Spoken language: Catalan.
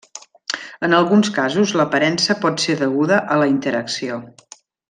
En alguns casos l'aparença pot ser deguda a la interacció.